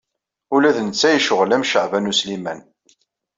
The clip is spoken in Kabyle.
Ula d netta yecɣel am Caɛban U Sliman.